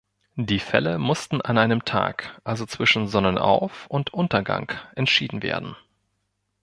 Die Fälle mussten an einem Tag, also zwischen Sonnenauf- und -untergang entschieden werden.